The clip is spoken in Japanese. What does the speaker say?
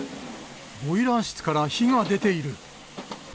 ボイラー室から火が出ている。